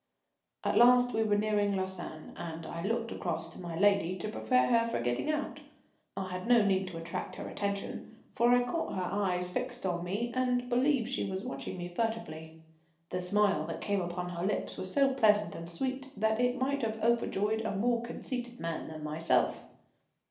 At last we were nearing Lausanne, and I looked across to my lady to prepare her for getting out. I had no need to attract her attention, for I caught her eyes fixed on me and believe she was watching me furtively. The smile that came upon her lips was so pleasant and sweet that it might have overjoyed a more conceited man than myself.